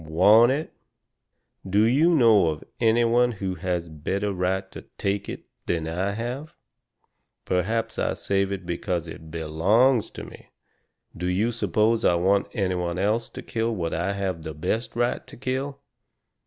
"WANT it?" "Do you know of any one who has a better right to TAKE it than I have? Perhaps I saved it because it BELONGS to me do you suppose I want any one else to kill what I have the best right to kill?"